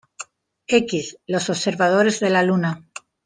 X Los observadores de la Luna.